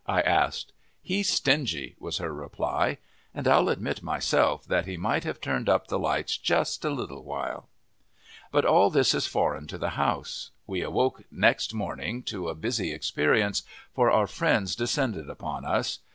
I asked. "He's stingy," was her reply; and I'll admit, myself, that he might have turned up the lights just a little while. But all this is foreign to the House. We awoke next morning to a busy experience, for our friends descended upon us.